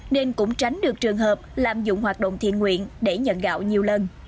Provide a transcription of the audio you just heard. nên cũng tránh được trường hợp lạm dụng hoạt động thiện nguyện để nhận gạo nhiều lần